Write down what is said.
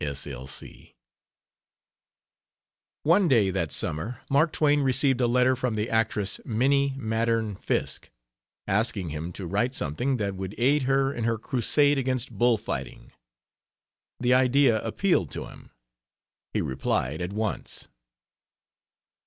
S. L. C. One day that summer Mark Twain received a letter from the actress, Minnie Maddern Fiske, asking him to write something that would aid her in her crusade against bull fighting. The idea appealed to him; he replied at once.